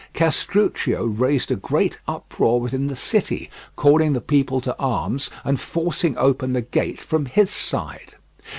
Castruccio raised a great uproar within the city, calling the people to arms and forcing open the gate from his side.